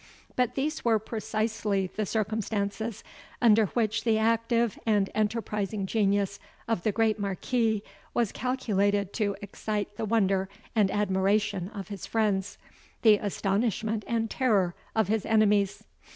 But these were precisely the circumstances under which the active and enterprising genius of the Great Marquis was calculated to excite the wonder and admiration of his friends, the astonishment and terror of his enemies.